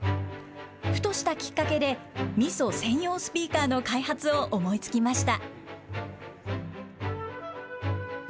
ふとしたきっかけで、みそ専用スピーカーの開発を思いつきました。